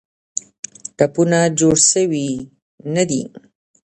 ټپونه جوړ سوي نه دي.